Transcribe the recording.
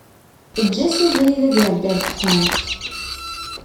Eǧǧ-as abrid ad iɛeddi ar texxamt.